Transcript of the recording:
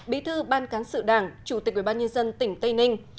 bí thư ban cán sự đảng chủ tịch ủy ban nhân dân tỉnh tây ninh